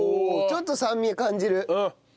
ちょっと酸味感じる。